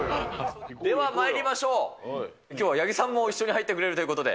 ではまいりましょう、きょうは八木さんも一緒に入ってくれるということで。